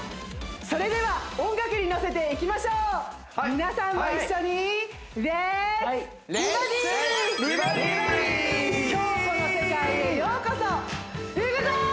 それでは音楽にのせていきましょう皆さんも一緒に京子の世界へようこそいくぞー！